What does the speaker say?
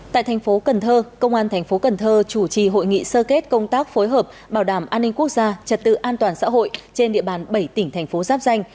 tại thành phố cần thơ công an thành phố cần thơ chủ trì hội nghị sơ kết công tác phối hợp bảo đảm an ninh quốc gia trật tự an toàn xã hội trên địa bàn bảy tỉnh thành phố giáp danh